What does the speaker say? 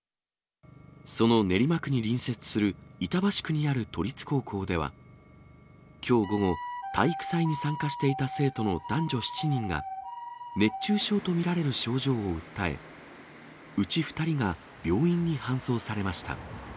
その練馬区に隣接する板橋区にある都立高校では、きょう午後、体育祭に参加していた生徒の男女７人が、熱中症と見られる症状を訴え、うち２人が病院に搬送されました。